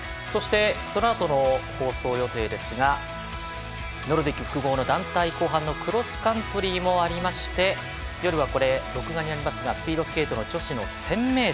そのあとの放送予定ですがノルディック複合団体、後半のクロスカントリーもありまして夜は録画になりますがスピードスケート女子１０００ｍ。